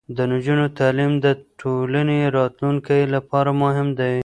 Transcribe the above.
د نجونو تعلیم د ټولنې راتلونکي لپاره مهم دی.